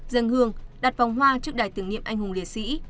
dân hương đặt vòng hoa trước đài tưởng niệm anh hùng liệt sĩ